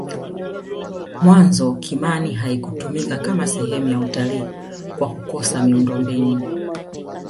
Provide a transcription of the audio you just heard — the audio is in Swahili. mwanzo kimani haikutumika Kama sehemu ya utalii kwa kukosa miundombinu